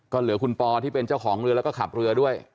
ก็เหลือคุณปอที่เป็นเจ้าของเรือแล้วก็ขับเรือด้วย